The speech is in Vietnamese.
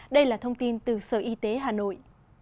đây là thông tin từ sở y tế hà nội